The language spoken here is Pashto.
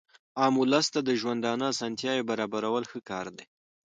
عام اولس ته د ژوندانه اسانتیاوي برابرول ښه کار دئ.